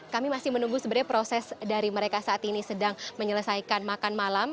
kami masih menunggu sebenarnya proses dari mereka saat ini sedang menyelesaikan makan malam